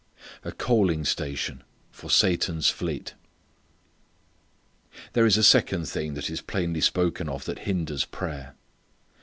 A Coaling Station for Satan's Fleet. There is a second thing that is plainly spoken of that hinders prayer.